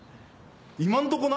今んとこな？